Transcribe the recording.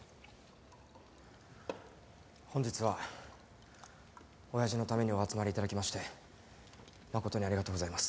本日は親父のためにお集まり頂きまして誠にありがとうございます。